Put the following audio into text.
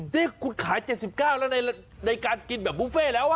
นี่คุณขาย๗๙แล้วในการกินแบบบุฟเฟ่แล้ว